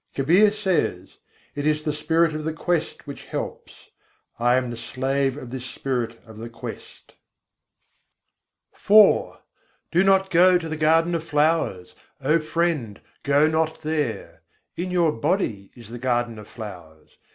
Kabîr says: "It is the Spirit of the quest which helps; I am the slave of this Spirit of the quest." IV I. 58. bâgo nâ jâ re nâ jâ Do not go to the garden of flowers! O Friend! go not there; In your body is the garden of flowers.